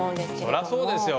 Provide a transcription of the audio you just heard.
そりゃそうですよ。